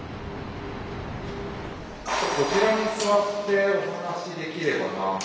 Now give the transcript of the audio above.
こちらに座ってお話できればな。